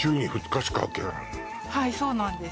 はいそうなんです